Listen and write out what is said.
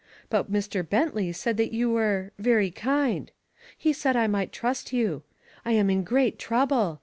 But Mr. Bentley said that you were very kind. He said I might trust you. I am in great trouble.